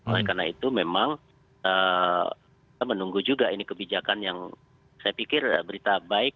oleh karena itu memang kita menunggu juga ini kebijakan yang saya pikir berita baik